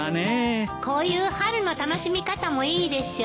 こういう春の楽しみ方もいいでしょう。